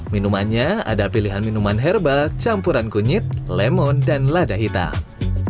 minumannya ada pilihan minuman herbal campuran kunyit lemon dan lada hitam